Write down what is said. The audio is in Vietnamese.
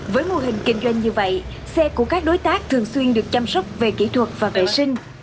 với mô hình kinh doanh như vậy xe của các đối tác thường xuyên được chăm sóc về kỹ thuật và vệ sinh